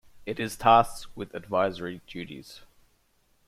It is tasked with advisory duties.